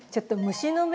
虫の目？